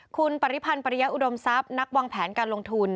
คุณปริพันธ์ปริยะอุดมทรัพย์นักวางแผนการลงทุน